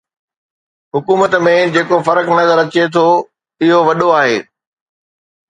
حڪومت ۾ جيڪو فرق نظر اچي ٿو اهو وڏو آهي